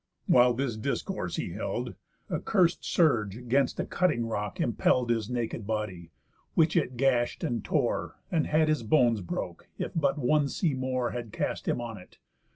While this discourse he held, A curs'd surge 'gainst a cutting rock impell'd His naked body, which it gash'd and tore, And had his bones broke, if but one sea more Had cast him on it.